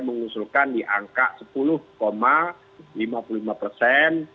mengusulkan di angka sepuluh lima puluh lima persen